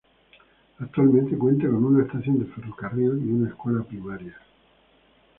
Actualmente cuenta con una estación de ferrocarril y una escuela primaria.